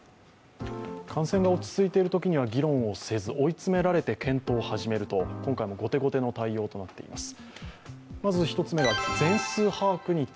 感染が落ち着いているときには議論をせず追い詰められて検討を始める、今回も後手後手の対応となっています。